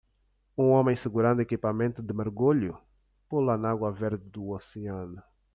Um homem segurando equipamento de mergulho? pula na água verde do oceano.